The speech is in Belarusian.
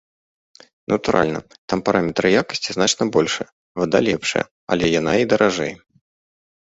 Натуральна, там параметры якасці значна большыя, вада лепшая, але яна і даражэй.